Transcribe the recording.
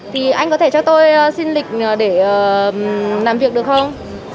thì anh có thể cho tôi xin lịch để làm việc được không